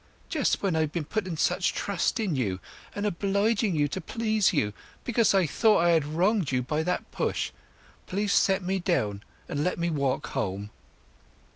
"Just when I've been putting such trust in you, and obliging you to please you, because I thought I had wronged you by that push! Please set me down, and let me walk home."